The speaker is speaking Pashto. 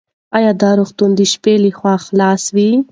ایا دا روغتون د شپې لخوا خلاص وي؟